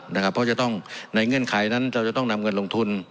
เพราะจะต้องในเงื่อนไขนั้นเราจะต้องนำเงินลงทุน